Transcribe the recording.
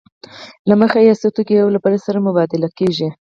له مخې یې څو توکي یو له بل سره مبادله کېږي